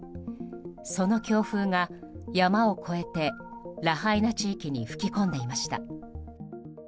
その強風が山を越えてラハイナ地域に吹き込んでいました。